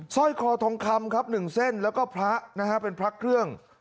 สร้อยคอทองคำครับ๑เส้นแล้วก็พระนะฮะเป็นพระเครื่อง